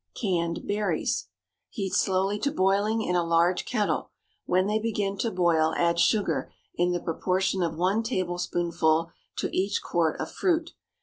CANNED BERRIES. ✠ Heat slowly to boiling, in a large kettle. When they begin to boil, add sugar in the proportion of one tablespoonful to each quart of fruit.